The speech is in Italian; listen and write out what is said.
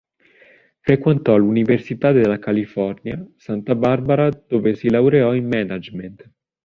Frequentò l'Università della California, Santa Barbara dove si laureò in management.